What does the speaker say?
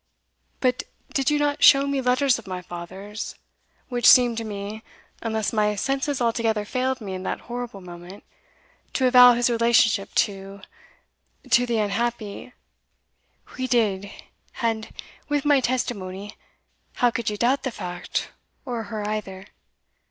"But did you not show me letters of my father's, which seemed to me, unless my senses altogether failed me in that horrible moment, to avow his relationship to to the unhappy" "We did; and, with my testimony, how could you doubt the fact, or her either?